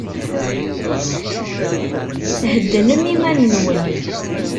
Heddnem iman-nwen.